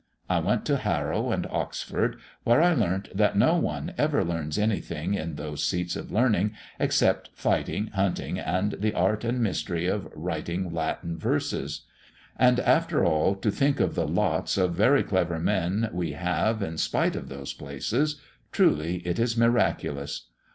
I went to Harrow and Oxford, where I learnt that no one ever learns anything in those seats of learning, except fighting, hunting, and the art and mystery of writing Latin verses. And after all, to think of the lots of very clever men we have in spite of those places truly it is miraculous!